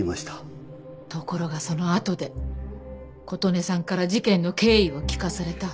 ところがそのあとで琴音さんから事件の経緯を聞かされた。